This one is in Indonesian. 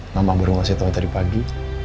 lama mama ngasih tau tadi pagi